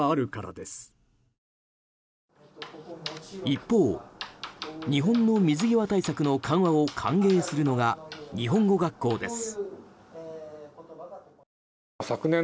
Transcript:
一方、日本の水際対策の緩和を歓迎するのが日本語学校です。